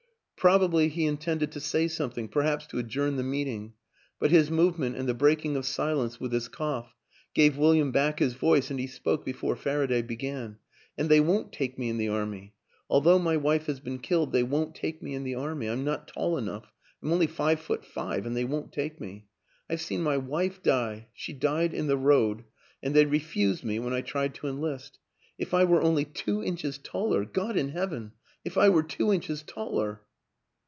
Probably he intended to say something, perhaps to adjourn the meeting; but his movement and the breaking of silence with his cough gave William back his voice and he spoke before Faraday be gan. " And they won't take me in the Army. Al though my wife has been killed they won't take me in the Army. I'm not tall enough; I'm only five foot five, and they won't take me. I've seen my wife die she died in the road and they refused me when I tried to enlist. If I were only two inches taller God in Heaven, if I were two inches taller!